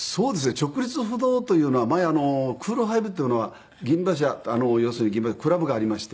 直立不動というのは前クール・ファイブというのは銀馬車要するに銀馬車クラブがありまして。